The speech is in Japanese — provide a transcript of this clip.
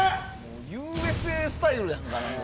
ＵＳＡスタイルやんか。